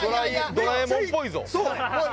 ドラえもんっぽい。